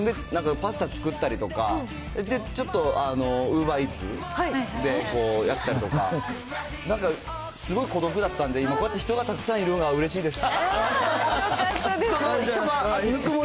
もう、家で自分でパスタ作ったりとか、で、ちょっとウーバーイーツでやったりとか、なんか、すごい孤独だったんで、今、こうやってたくさん人がいるのがうれしいです。